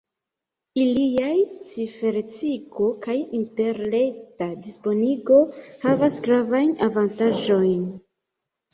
Iliaj ciferecigo kaj interreta disponigo havas gravajn avantaĝojn.